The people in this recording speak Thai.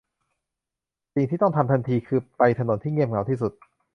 สิ่งที่ต้องทำทันทีคือไปที่ถนนที่เงียบเหงาที่สุด